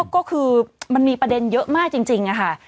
ก็คือมันมีประเด็นเยอะมากจริงค่ะ